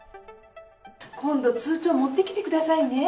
今度、通帳持ってきてくださいね。